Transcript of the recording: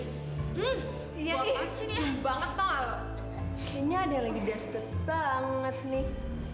kayaknya ada yang lagi desperate banget nih